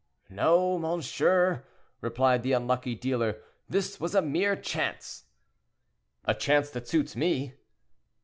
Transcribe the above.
"No, monsieur," replied the unlucky dealer; "this was a mere chance." "A chance that suits me."